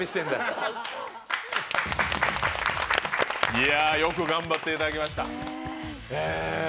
いや、よく頑張っていただきました。